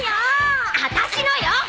あたしのよ！